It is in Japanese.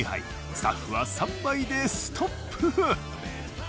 スタッフは３杯でストップ。